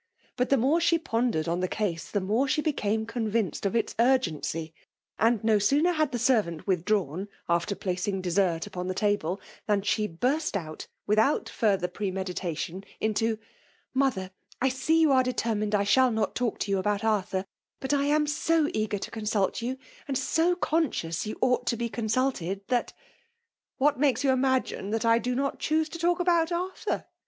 But the more she pondered on the case, the more she became convinced of its urgency ; and no sooner had the servant withdrawn after placiiig dessert upon the table, than she burst out, wttfar out forther premeditation, into, *' Mother, I see you are determined I shaU not talk to yoa about Arthur ; but I am so eager to consult you, and »o consdons you ought to be con sulted, that" What makes you imagine that I do not choose to talk about Arthur